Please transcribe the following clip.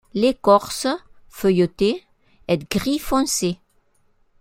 L'écorce, feuilletée, est gris foncé.